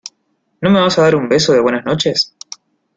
¿ no me vas a dar un beso de buenas noches?